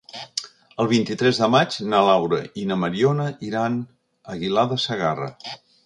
El vint-i-tres de maig na Laura i na Mariona iran a Aguilar de Segarra.